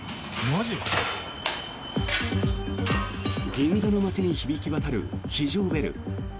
銀座の街に響き渡る非常ベル。